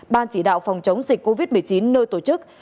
ban chỉ đạo phòng chống dịch covid một mươi chín nơi tổ chức